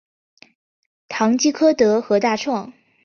唐吉柯德和大创